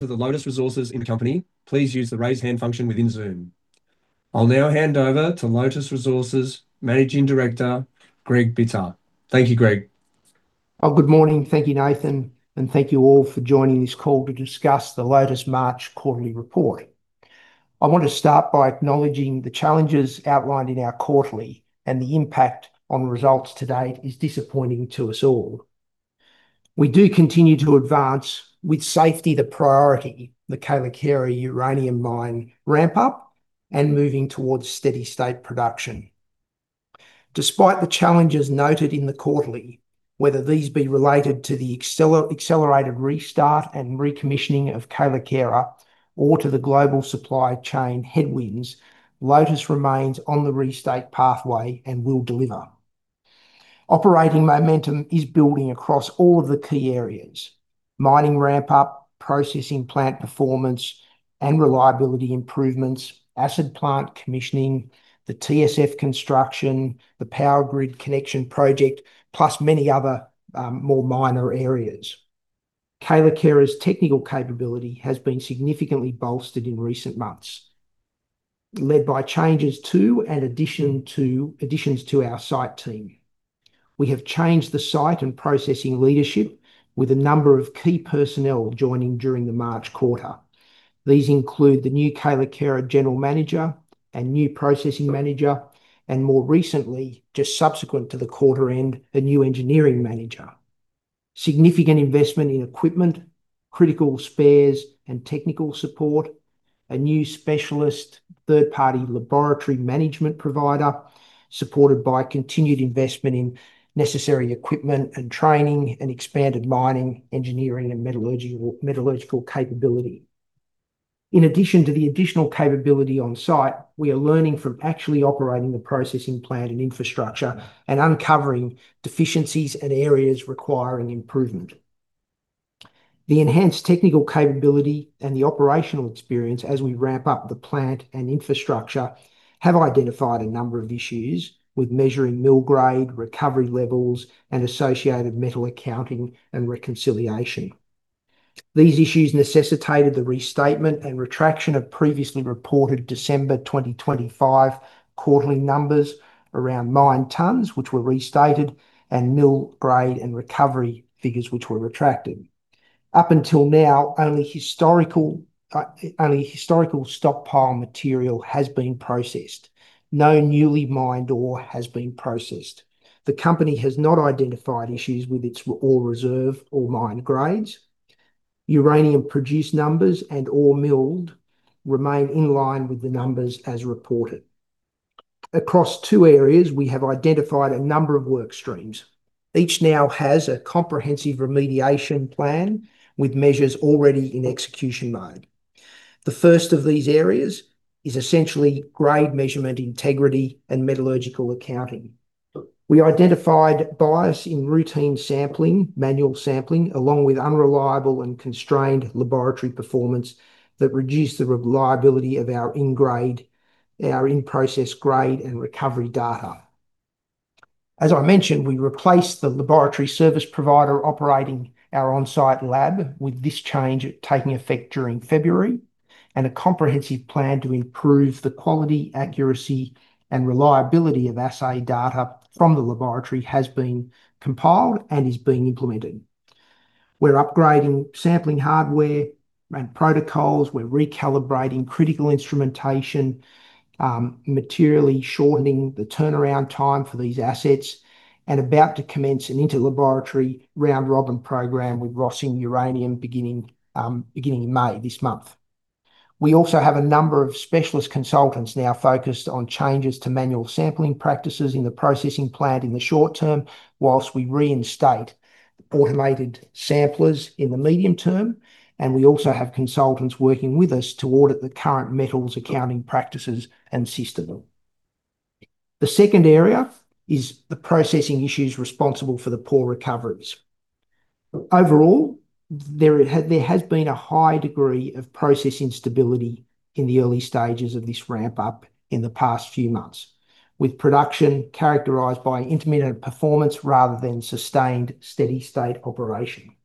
For the Lotus Resources in the company, please use the raise hand function within Zoom. I'll now hand over to Lotus Resources Managing Director, Greg Bittar. Thank you, Greg. Well, good morning. Thank you, Nathan. Thank you all for joining this call to discuss the Lotus March quarterly report. I want to start by acknowledging the challenges outlined in our quarterly and the impact on results to date is disappointing to us all. We do continue to advance with safety the priority, the Kayelekera Uranium Mine ramp up and moving towards steady state production. Despite the challenges noted in the quarterly, whether these be related to the accelerated restart and recommissioning of Kayelekera or to the global supply chain headwinds, Lotus remains on the restate pathway and will deliver. Operating momentum is building across all of the key areas. Mining ramp up, processing plant performance and reliability improvements, acid plant commissioning, the TSF construction, the power grid connection project, plus many other more minor areas. Kayelekera's technical capability has been significantly bolstered in recent months, led by changes to and additions to our site team. We have changed the site and processing leadership with a number of key personnel joining during the March quarter. These include the new Kayelekera General Manager and new Processing Manager, and more recently, just subsequent to the quarter end, a new Engineering Manager. Significant investment in equipment, critical spares and technical support, a new specialist third-party laboratory management provider, supported by continued investment in necessary equipment and training and expanded mining, engineering and metallurgical capability. In addition to the additional capability on site, we are learning from actually operating the processing plant and infrastructure and uncovering deficiencies and areas requiring improvement. The enhanced technical capability and the operational experience as we ramp up the plant and infrastructure have identified a number of issues with measuring mill grade, recovery levels and associated metal accounting and reconciliation. These issues necessitated the restatement and retraction of previously reported December 2025 quarterly numbers around mined tonnes, which were restated, and mill grade and recovery figures which were retracted. Up until now, only historical stockpile material has been processed. No newly mined ore has been processed. The company has not identified issues with its ore reserve or mined grades. Uranium produced numbers and ore milled remain in line with the numbers as reported. Across two areas, we have identified a number of work streams. Each now has a comprehensive remediation plan with measures already in execution mode. The first of these areas is essentially grade measurement integrity and metallurgical accounting. We identified bias in routine sampling, manual sampling, along with unreliable and constrained laboratory performance that reduced the reliability of our in-grade, our in-process grade and recovery data. As I mentioned, we replaced the laboratory service provider operating our on-site lab, with this change taking effect during February, and a comprehensive plan to improve the quality, accuracy and reliability of assay data from the laboratory has been compiled and is being implemented. We're upgrading sampling hardware and protocols. We're recalibrating critical instrumentation, materially shortening the turnaround time for these assets and about to commence an inter-laboratory round robin program with Rössing Uranium beginning in May this month. We also have a number of specialist consultants now focused on changes to manual sampling practices in the processing plant in the short term, whilst we reinstate automated samplers in the medium term. We also have consultants working with us to audit the current metal accounting practices and system. The second area is the processing issues responsible for the poor recoveries. Overall, there has been a high degree of processing stability in the early stages of this ramp up in the past few months, with production characterized by intermittent performance rather than sustained steady state operation.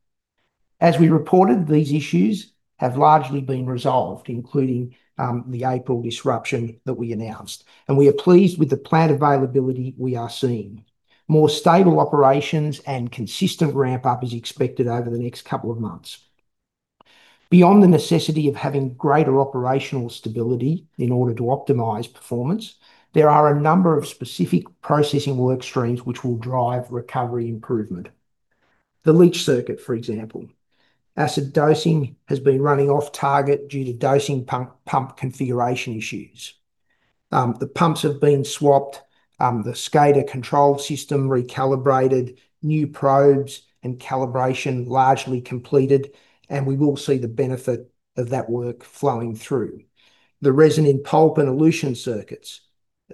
As we reported, these issues have largely been resolved, including the April disruption that we announced. We are pleased with the plant availability we are seeing. More stable operations and consistent ramp up is expected over the next couple of months. Beyond the necessity of having greater operational stability in order to optimize performance, there are a number of specific processing work streams which will drive recovery improvement. The leach circuit, for example. Acid dosing has been running off target due to dosing pump configuration issues. The pumps have been swapped, the SCADA control system recalibrated, new probes and calibration largely completed, and we will see the benefit of that work flowing through. The resin in pulp and elution circuit,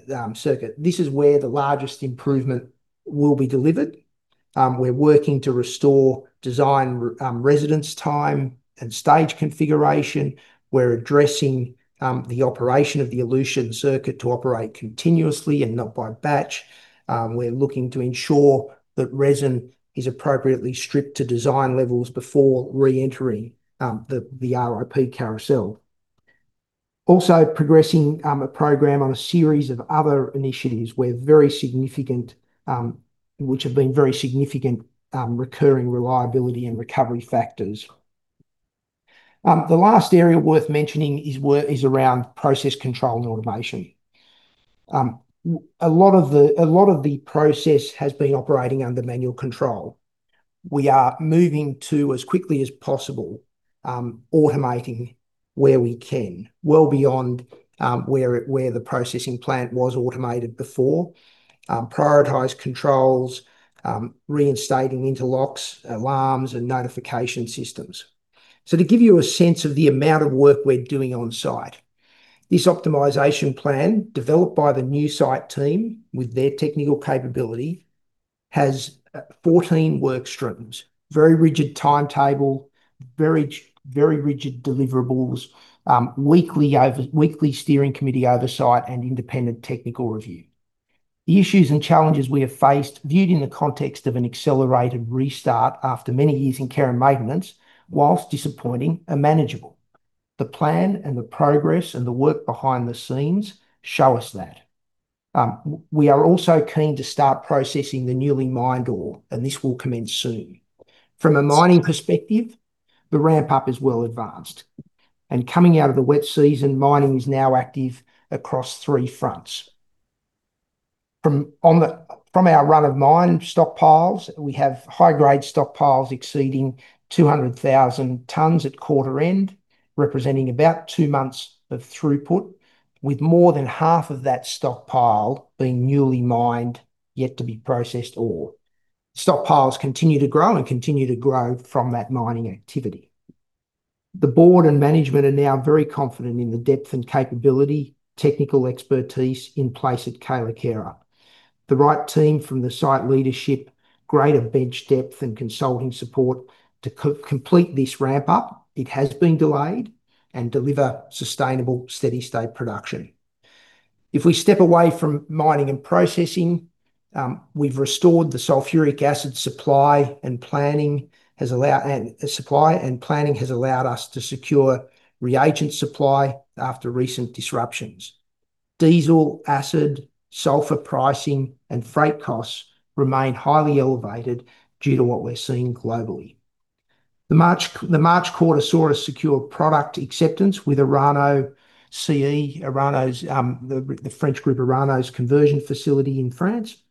this is where the largest improvement will be delivered. We're working to restore design residence time and stage configuration. We're addressing the operation of the elution circuit to operate continuously and not by batch. We're looking to ensure that resin is appropriately stripped to design levels before re-entering the RIP carousel. Also progressing a program on a series of other initiatives which have been very significant recurring reliability and recovery factors. The last area worth mentioning is around process control and automation. A lot of the process has been operating under manual control. We are moving to, as quickly as possible, automating where we can, well beyond where the processing plant was automated before. Prioritize controls, reinstating interlocks, alarms, and notification systems. To give you a sense of the amount of work we're doing on site, this optimization plan, developed by the new site team with their technical capability, has 14 work streams. Very rigid timetable, very rigid deliverables, weekly steering committee oversight, and independent technical review. The issues and challenges we have faced, viewed in the context of an accelerated restart after many years in care and maintenance, whilst disappointing, are manageable. The plan and the progress and the work behind the scenes show us that. We are also keen to start processing the newly mined ore, and this will commence soon. From a mining perspective, the ramp-up is well advanced. Coming out of the wet season, mining is now active across three fronts. From our run of mine stockpiles, we have high grade stockpiles exceeding 200,000 tons at quarter end, representing about two months of throughput, with more than half of that stockpile being newly mined, yet to be processed ore. Stockpiles continue to grow from that mining activity. The board and management are now very confident in the depth and capability, technical expertise in place at Kayelekera. The right team from the site leadership, greater bench depth and consulting support to complete this ramp-up, it has been delayed, and deliver sustainable steady state production. If we step away from mining and processing, we've restored the sulfuric acid supply and planning has allowed us to secure reagent supply after recent disruptions. Diesel, acid, sulfur pricing, and freight costs remain highly elevated due to what we're seeing globally. The March quarter saw us secure product acceptance with Orano Chimie-Enrichissement, Orano's, the French group Orano's conversion facility in France.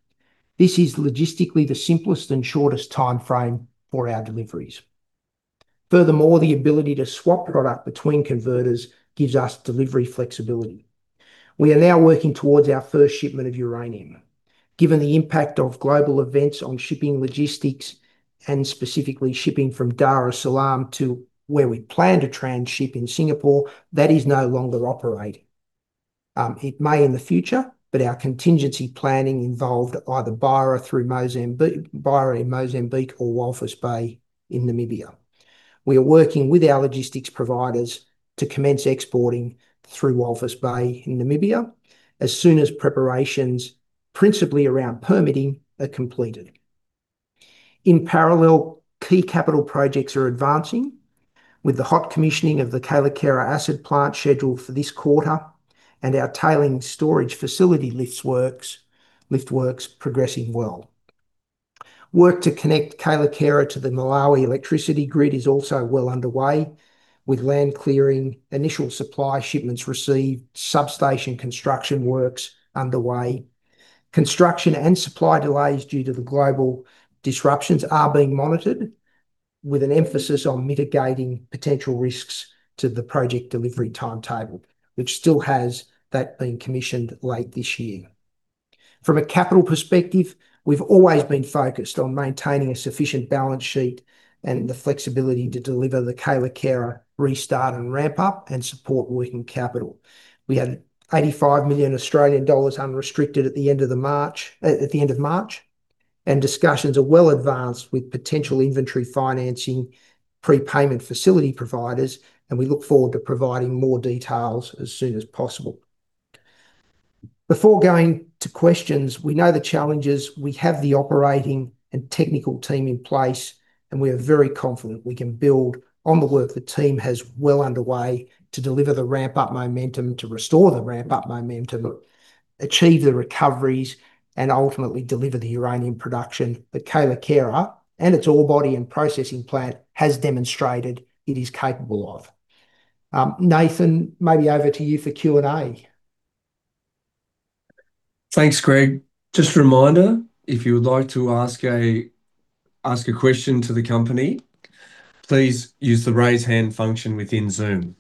This is logistically the simplest and shortest timeframe for our deliveries. The ability to swap product between converters gives us delivery flexibility. We are now working towards our first shipment of uranium. Given the impact of global events on shipping logistics and specifically shipping from Dar es Salaam to where we plan to transship in Singapore, that is no longer operating. It may in the future, but our contingency planning involved either Beira through Mozambique, Beira in Mozambique or Walvis Bay in Namibia. We are working with our logistics providers to commence exporting through Walvis Bay in Namibia as soon as preparations, principally around permitting, are completed. In parallel, key capital projects are advancing with the hot commissioning of the Kayelekera acid plant scheduled for this quarter and our tailings storage facility lift works progressing well. Work to connect Kayelekera to the Malawi electricity grid is also well underway with land clearing, initial supply shipments received, substation construction works underway. Construction and supply delays due to the global disruptions are being monitored with an emphasis on mitigating potential risks to the project delivery timetable, which still has that being commissioned late this year. From a capital perspective, we've always been focused on maintaining a sufficient balance sheet and the flexibility to deliver the Kayelekera restart and ramp-up and support working capital. We had 85 million Australian dollars unrestricted at the end of March, discussions are well advanced with potential inventory financing prepayment facility providers, we look forward to providing more details as soon as possible. Before going to questions, we know the challenges. We have the operating and technical team in place, we are very confident we can build on the work the team has well underway to restore the ramp-up momentum, achieve the recoveries, ultimately deliver the uranium production that Kayelekera and its ore body and processing plant has demonstrated it is capable of. Nathan, maybe over to you for Q&A. Thanks, Greg. Just a reminder, if you would like to ask a question to the company, please use the raise hand function within Zoom.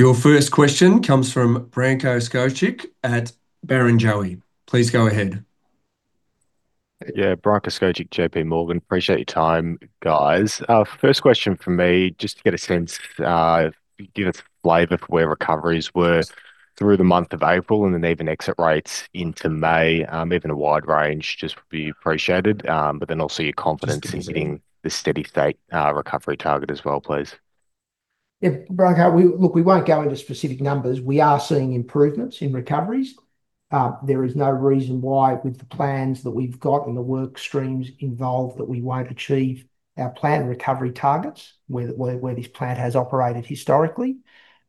Your first question comes from Branko Skocic at Barrenjoey. Please go ahead. Yeah. Branko Skocic, JPMorgan. Appreciate your time, guys. First question from me, just to get a sense, give us a flavor for where recoveries were through the month of April and then even exit rates into May. Even a wide range just would be appreciated. Then also your confidence in hitting the steady state, recovery target as well, please. Branko, we won't go into specific numbers. We are seeing improvements in recoveries. There is no reason why with the plans that we've got and the work streams involved that we won't achieve our planned recovery targets where this plant has operated historically.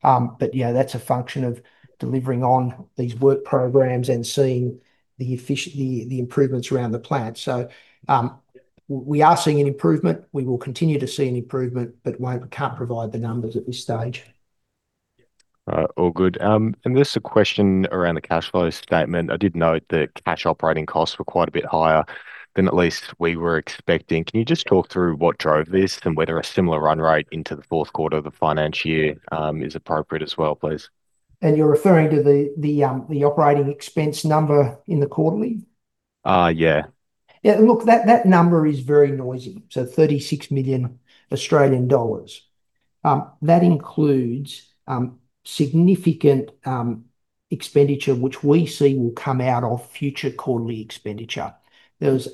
Yeah, that's a function of delivering on these work programs and seeing the improvements around the plant. We are seeing an improvement. We will continue to see an improvement, we can't provide the numbers at this stage. All right. All good. Just a question around the cash flow statement. I did note that cash operating costs were quite a bit higher than at least we were expecting. Can you just talk through what drove this and whether a similar run rate into the fourth quarter of the financial year is appropriate as well, please? You're referring to the operating expense number in the quarterly? Yeah. Yeah, look, that number is very noisy. 36 million Australian dollars. That includes significant expenditure which we see will come out of future quarterly expenditure. There was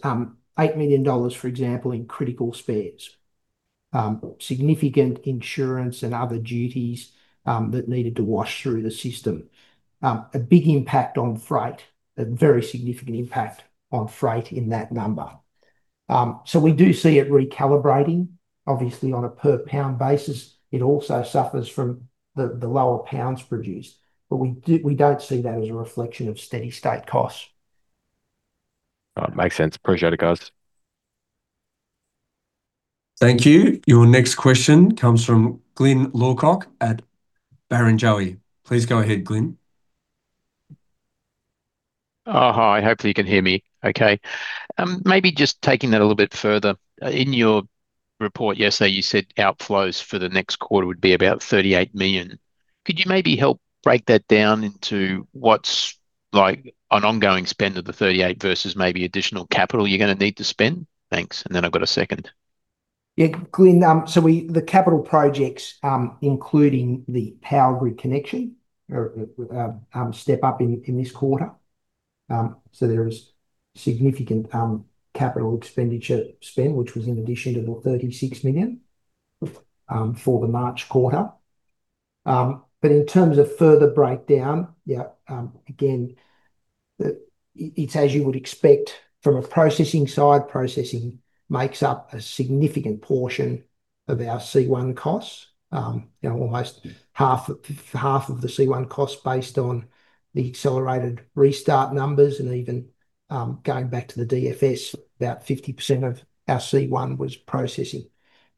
8 million dollars, for example, in critical spares. Significant insurance and other duties that needed to wash through the system. A big impact on freight. A very significant impact on freight in that number. We do see it recalibrating obviously on a per pound basis. It also suffers from the lower pounds produced. We don't see that as a reflection of steady state costs. All right. Makes sense. Appreciate it, guys. Thank you. Your next question comes from Glyn Lawcock at Barrenjoey. Please go ahead, Glyn. Hi. Hopefully you can hear me okay. Maybe just taking that a little bit further. In your report yesterday you said outflows for the next quarter would be about 38 million. Could you maybe help break that down into what's like an ongoing spend of the 38 versus maybe additional capital you're going to need to spend? Thanks. Then I've got a second. Glyn. The capital projects, including the power grid connection are step up in this quarter. There is significant capital expenditure spend, which was in addition to the 36 million for the March quarter. In terms of further breakdown, it's as you would expect from a processing side, processing makes up a significant portion of our C1 costs. You know, almost half of the C1 costs based on the accelerated restart numbers and even going back to the DFS, about 50% of our C1 was processing.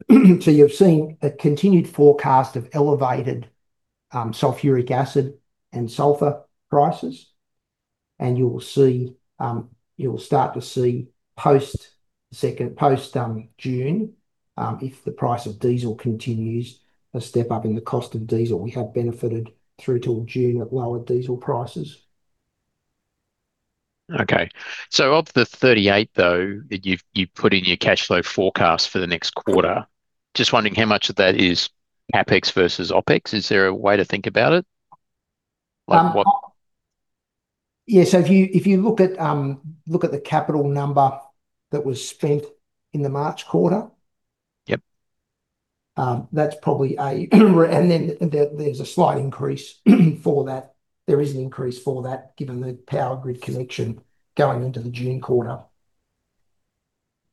You've seen a continued forecast of elevated sulfuric acid and sulfur prices, and you'll see you'll start to see post-2nd, post June, if the price of diesel continues, a step up in the cost of diesel. We have benefited through till June at lower diesel prices. Okay. of the 38, though, that you've put in your cash flow forecast for the next quarter, just wondering how much of that is CapEx versus OpEx? Is there a way to think about it? Like. Yeah. If you look at the capital number that was spent in the March quarter. Yep. There's a slight increase for that. There is an increase for that given the power grid connection going into the June quarter.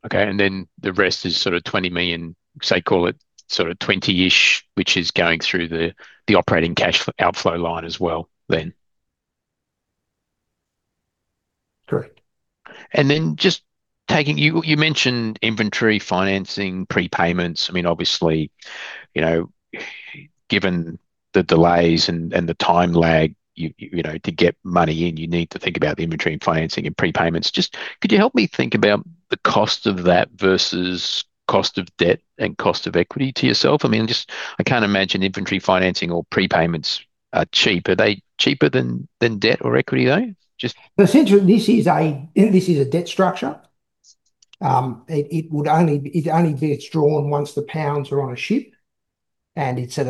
Okay. Then the rest is sort of 20 million, say call it sort of 20-ish, which is going through the operating cash outflow line as well then? Correct. You mentioned inventory financing, prepayments. Obviously, you know, given the delays and the time lag, you know, to get money in, you need to think about the inventory financing and prepayments. Could you help me think about the cost of that versus cost of debt and cost of equity to yourself? Just I can't imagine inventory financing or prepayments are cheap. Are they cheaper than debt or equity, though? The center of this is a debt structure. It'd only be withdrawn once the pounds are on a ship and it's at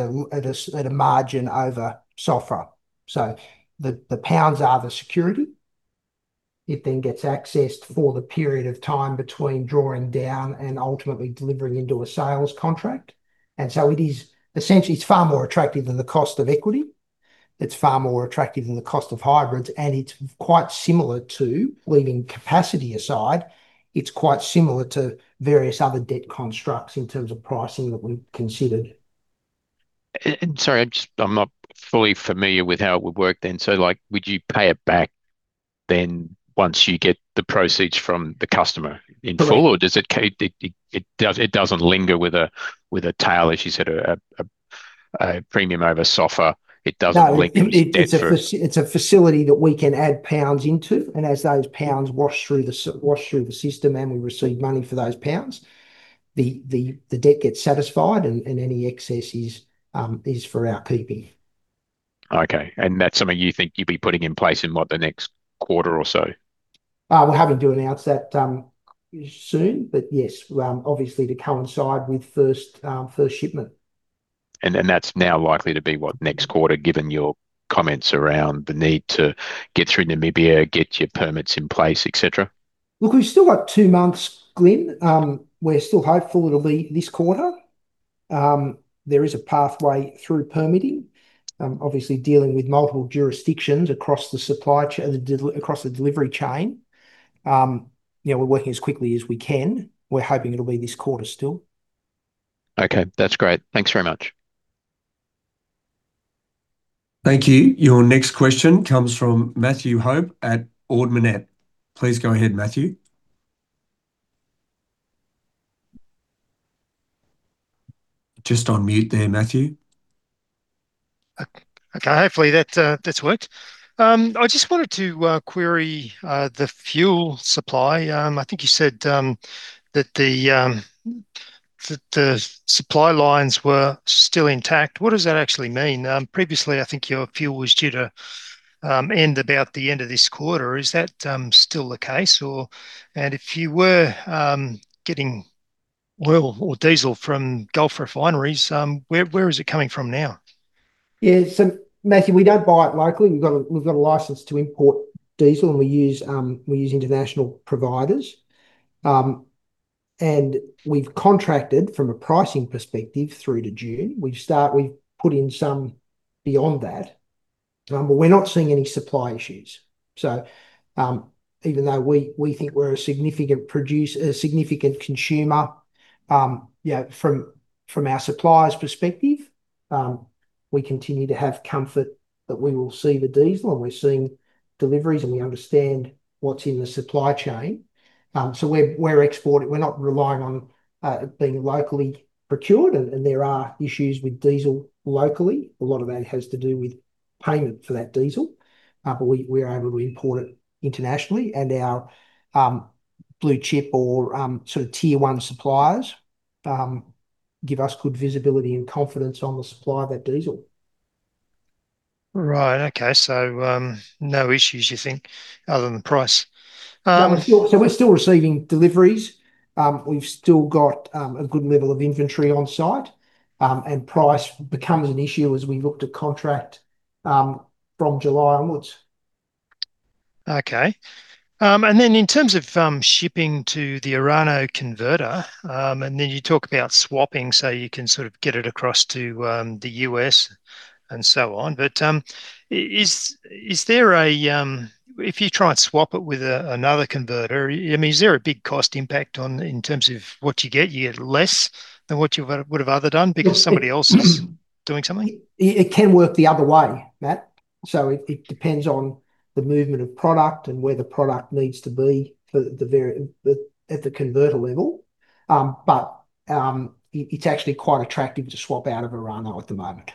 a margin over SOFR. The pounds are the security. It then gets accessed for the period of time between drawing down and ultimately delivering into a sales contract. Essentially it's far more attractive than the cost of equity. It's far more attractive than the cost of hybrids, and leaving capacity aside, it's quite similar to various other debt constructs in terms of pricing that we've considered. Sorry, I'm just, I'm not fully familiar with how it would work then. Like would you pay it back then once you get the proceeds from the customer in full? Correct. It does, it doesn't linger with a tail, as you said, a premium over SOFR. It doesn't linger as a debt. No, it's a facility that we can add pounds into, and as those pounds wash through the system and we receive money for those pounds, the debt gets satisfied and any excess is for our keeping. Okay. That's something you think you'd be putting in place in, what, the next quarter or so? We're having to announce that soon. Yes, obviously to coincide with first shipment. That's now likely to be what next quarter, given your comments around the need to get through Namibia, get your permits in place, et cetera? Look, we've still got 2 months, Glyn. We're still hopeful it'll be this quarter. There is a pathway through permitting. Obviously dealing with multiple jurisdictions across the delivery chain. You know, we're working as quickly as we can. We're hoping it'll be this quarter still. Okay. That's great. Thanks very much. Thank you. Your next question comes from Matthew Hope at Ord Minnett. Please go ahead, Matthew. Just on mute there, Matthew. Okay. Hopefully that's worked. I just wanted to query the fuel supply. I think you said that the supply lines were still intact. What does that actually mean? Previously I think your fuel was due to end about the end of this quarter. Is that still the case? If you were getting oil or diesel from Gulf refineries, where is it coming from now? Matthew, we don't buy it locally. We've got a license to import diesel and we use international providers. We've contracted from a pricing perspective through to June. We've put in some beyond that. We're not seeing any supply issues. Even though we think we're a significant consumer, you know, from our suppliers' perspective, we continue to have comfort that we will see the diesel and we're seeing deliveries and we understand what's in the supply chain. We're export it. We're not relying on being locally procured and there are issues with diesel locally. A lot of that has to do with payment for that diesel. We're able to import it internationally and our blue chip or sort of tier 1 suppliers give us good visibility and confidence on the supply of that diesel. Right. Okay. No issues you think other than price? No, we're still receiving deliveries. We've still got a good level of inventory on site. Price becomes an issue as we look to contract from July onwards. Okay. Then in terms of shipping to the Orano converter, and then you talk about swapping so you can sort of get it across to the U.S. and so on, but is there a If you try and swap it with another converter, I mean, is there a big cost impact on in terms of what you get? You get less than what you would've other done because somebody else is doing something? It can work the other way, Matthew. It depends on the movement of product and where the product needs to be for the very, at the converter level. It's actually quite attractive to swap out of Orano at the moment.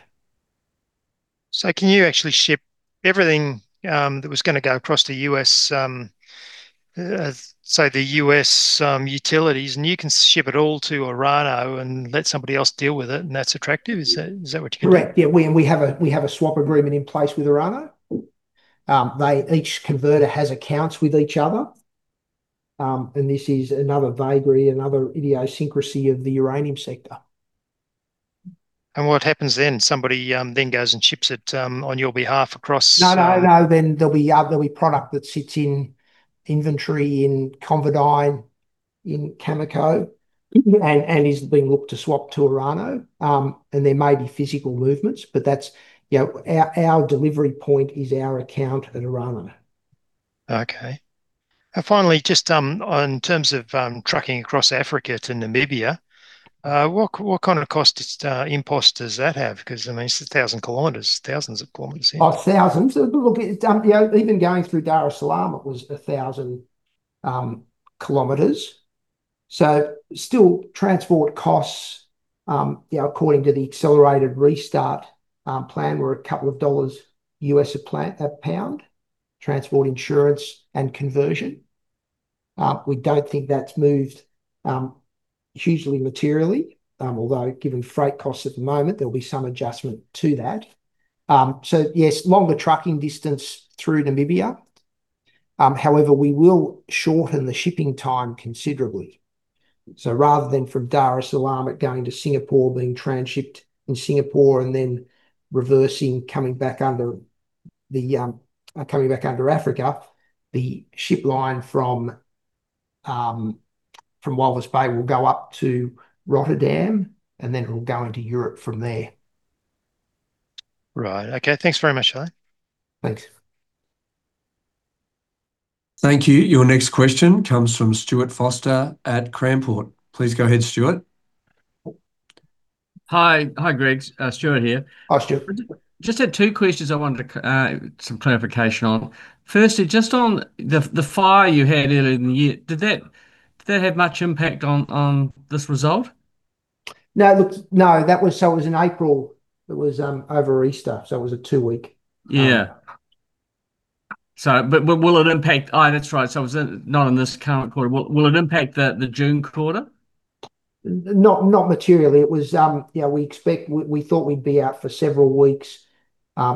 Can you actually ship everything that was gonna go across to U.S., say the U.S. utilities and you can ship it all to Orano and let somebody else deal with it, and that's attractive. Is that what you're saying? Correct. Yeah. We have a swap agreement in place with Orano. They, each converter has accounts with each other. This is another vagary, another idiosyncrasy of the uranium sector. What happens then? Somebody then goes and ships it on your behalf across. No, no. There'll be product that sits in inventory in ConverDyn, in Cameco. Mm-hmm is being looked to swap to Orano. There may be physical movements, but that's, you know, our delivery point is our account at Orano. Okay. Finally, just in terms of trucking across Africa to Namibia, what kind of cost it impost does that have? Because I mean, it's 1,000 kilometers, thousands of kilometers even. Oh, thousands. Look, it, you know, even going through Dar es Salaam it was 1,000 km. Still transport costs, you know, according to the accelerated restart plan were a couple of USD a pound. Transport insurance and conversion. We don't think that's moved hugely materially. Although, given freight costs at the moment, there'll be some adjustment to that. Yes, longer trucking distance through Namibia. However, we will shorten the shipping time considerably. Rather than from Dar es Salaam it going to Singapore, being transshipped in Singapore and then reversing coming back under the coming back under Africa, the ship line from Walvis Bay will go up to Rotterdam and then it'll go into Europe from there. Right. Okay. Thanks very much, Charlie. Thanks. Thank you. Your next question comes from Stuart Foster at Cranport. Please go ahead, Stuart. Hi. Hi, Greg. Stuart here. Hi, Stuart. Just had two questions I wanted some clarification on. Firstly, just on the fire you had earlier in the year, did that have much impact on this result? It was in April. It was over Easter, so it was a two-week. Yeah. Oh, yeah, that's right, so it was not in this current quarter. Will it impact the June quarter? Not, not materially. It was, you know, we expect, we thought we'd be out for several weeks.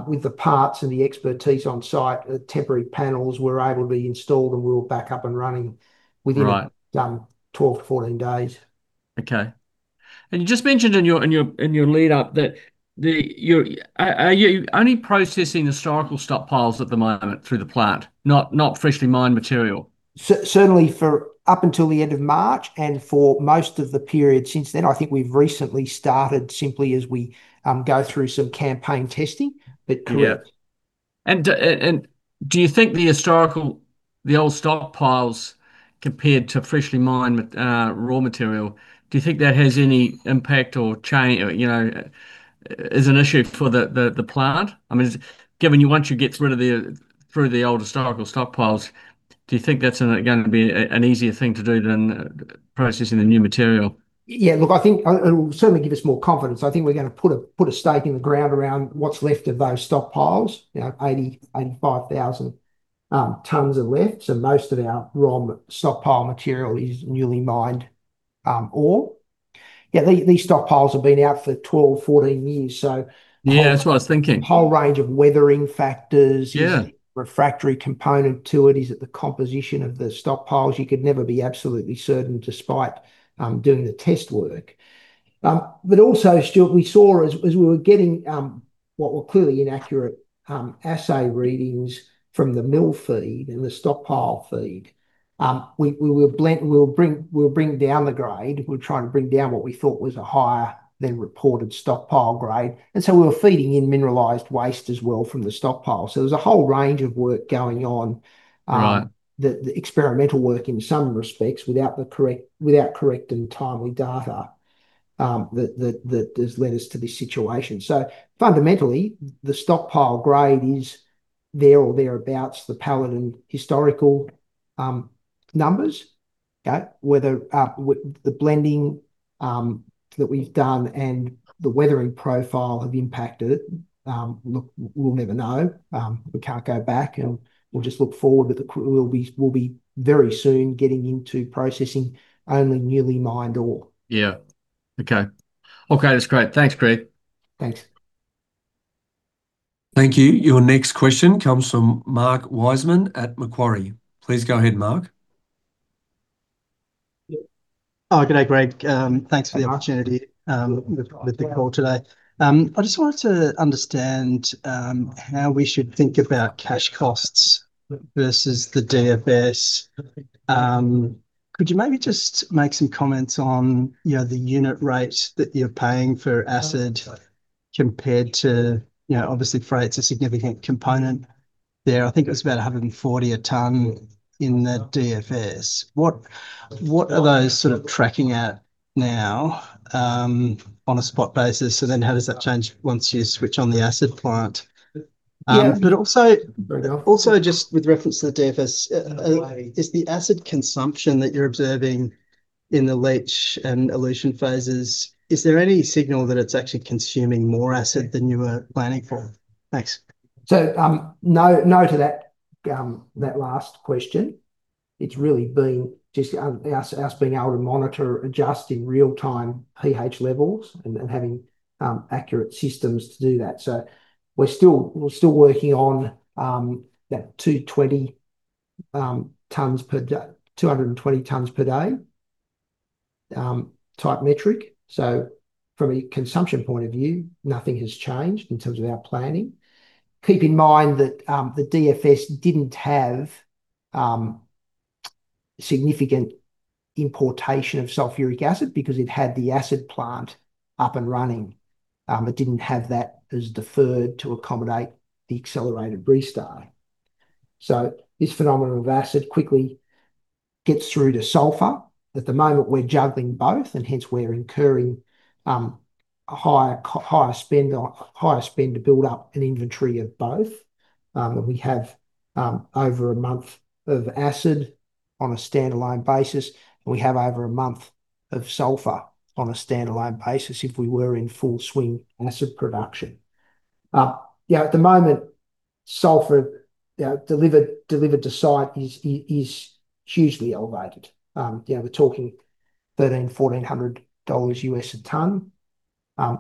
With the parts and the expertise on site, temporary panels were able to be installed and we were back up and running within. Right 12 to 14 days. Okay. You just mentioned in your lead-up, are you only processing historical stockpiles at the moment through the plant, not freshly mined material? Certainly for up until the end of March, and for most of the period since then. I think we've recently started simply as we go through some campaign testing. Yeah. Do you think the historical, the old stockpiles compared to freshly mined raw material, do you think that has any impact or, you know, is an issue for the plant? I mean, given you, once you get through the, through the old historical stockpiles, do you think that's gonna be an easier thing to do than processing the new material? Look, I think it will certainly give us more confidence. I think we're gonna put a stake in the ground around what's left of those stockpiles. You know, 80,000-85,000 tons are left. Most of our raw stockpile material is newly mined ore. These stockpiles have been out for 12-14 years. Yeah, that's what I was thinking.... whole range of weathering factors. Yeah. Is it refractory component to it? Is it the composition of the stockpiles? You could never be absolutely certain despite doing the test work. Stuart Foster, as we were getting what were clearly inaccurate assay readings from the mill feed and the stockpile feed, we'll bring down the grade. We're trying to bring down what we thought was a higher than reported stockpile grade. We were feeding in mineralized waste as well from the stockpile. There's a whole range of work going on. Right The experimental work in some respects without the correct, without correct and timely data that has led us to this situation. Fundamentally, the stockpile grade is there or thereabouts the Paladin historical numbers. Okay. Whether the blending that we've done and the weathering profile have impacted it, look, we'll never know. We can't go back, and we'll just look forward. We'll be very soon getting into processing only newly mined ore. Yeah. Okay. Okay, that's great. Thanks, Greg. Thanks. Thank you. Your next question comes from Mark Wiseman at Macquarie. Please go ahead, Mark. G'day, Greg Bittar. Thanks for the opportunity with the call today. I just wanted to understand how we should think about cash costs versus the DFS. Could you maybe just make some comments on, you know, the unit rate that you're paying for acid compared to, you know, obviously freight's a significant component there. I think it was about 140 a ton in the DFS. What are those sort of tracking at now on a spot basis? How does that change once you switch on the acid plant? Yeah. also just with reference to the DFS, is the acid consumption that you're observing in the leach and elution phases, is there any signal that it's actually consuming more acid than you were planning for? Thanks. No, no to that last question. It's really been just us being able to monitor, adjust in real time pH levels and having accurate systems to do that. We're still working on that 220 tons per day type metric. From a consumption point of view, nothing has changed in terms of our planning. Keep in mind that the DFS didn't have significant importation of sulfuric acid because it had the acid plant up and running. It didn't have that as deferred to accommodate the accelerated restart. This phenomenon of acid quickly gets through to sulfur. At the moment we're juggling both and hence we're incurring a higher spend to build up an inventory of both. We have over 1 month of acid on a standalone basis, and we have over 1 month of sulfur on a standalone basis if we were in full swing acid production. You know, at the moment, sulfur, you know, delivered to site is hugely elevated. You know, we're talking $1,300 USD-$1,400 USD a ton. A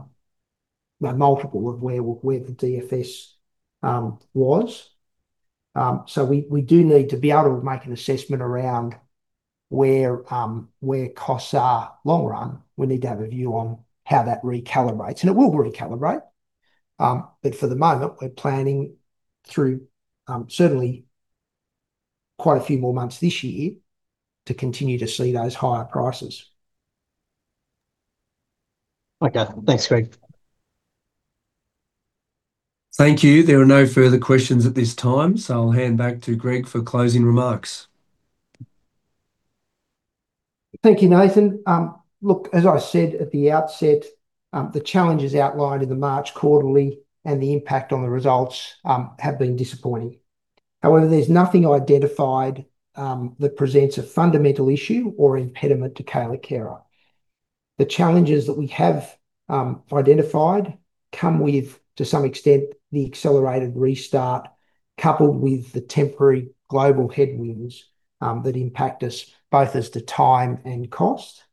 multiple of where the DFS was. We do need to be able to make an assessment around where costs are long run. We need to have a view on how that recalibrates, and it will recalibrate. For the moment we're planning through certainly quite a few more months this year to continue to see those higher prices. Okay. Thanks, Greg. Thank you. There are no further questions at this time. I'll hand back to Greg for closing remarks. Thank you, Nathan. Look, as I said at the outset, the challenges outlined in the March quarterly and the impact on the results have been disappointing. However, there's nothing identified that presents a fundamental issue or impediment to Kayelekera. The challenges that we have identified come with, to some extent, the accelerated restart coupled with the temporary global headwinds that impact us both as to time and cost.